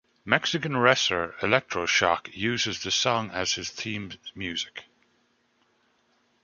Mexican wrestler Electroshock uses the song as his theme music.